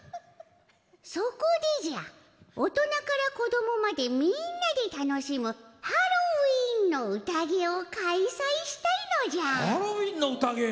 そこでじゃ、大人から子どもまでみーんなで楽しむハロウィーンのうたげを開催したいのじゃ！